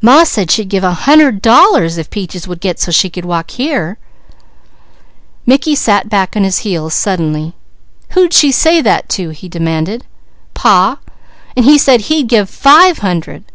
Ma said she'd give a hundred dollars if Peaches would get so she could walk here." Mickey sat back on his heels suddenly. "Who'd she say that to?" he demanded. "Pa. And he said he'd give five hundred."